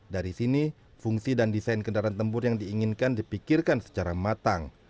dari sini fungsi dan desain kendaraan tempur yang diinginkan dipikirkan secara matang